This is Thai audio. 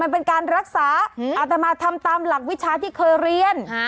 มันเป็นการรักษาอาตมาทำตามหลักวิชาที่เคยเรียน